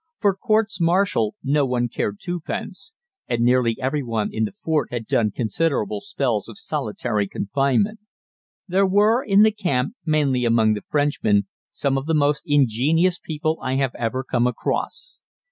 For courts martial no one cared twopence, and nearly every one in the fort had done considerable spells of solitary confinement. There were in the camp, mainly among the Frenchmen, some of the most ingenious people I have ever come across.